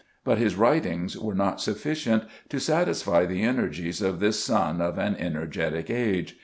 But his writings were not sufficient to satisfy the energies of this son of an energetic age.